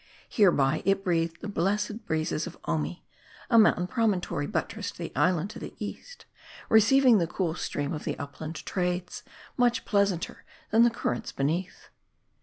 Hereby, it breathed the blessed breezes of Omi ; a mountain promontory buttressing the island to the east, receiving the cool stream of the upland Trades ; much pleasanter than the currents beneath.